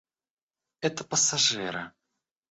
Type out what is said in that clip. Это пассажиры.